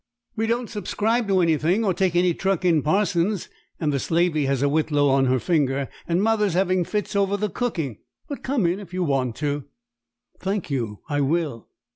"We don't subscribe to anything, or take any truck in parsons; and the slavey has a whitlow on her finger, and mother's having fits over the cooking. But come in, if you want to." "Thank you, I will."